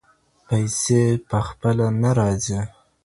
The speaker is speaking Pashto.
پیسې پخپله نه راځي.